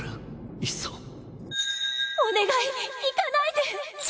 エイミ：お願い行かないで！